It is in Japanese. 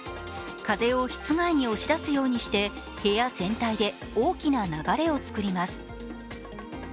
風を室外に押し出すようにして部屋全体で大きな流れをつくります。